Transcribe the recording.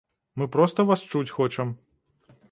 Мы проста вас чуць хочам.